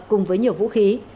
cùng với nhiều vũ khí